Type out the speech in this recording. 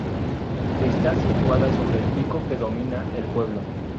Está situada sobre el pico que domina el pueblo.